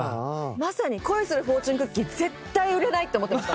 まさに『恋するフォーチュンクッキー』絶対売れないって思ってました。